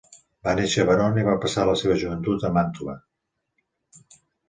Va néixer a Verona i va passar la seva joventut a Màntua.